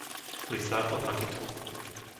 Lysá pod Makytou